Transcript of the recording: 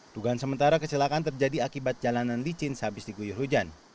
dugaan sementara kecelakaan terjadi akibat jalanan licin sehabis diguyur hujan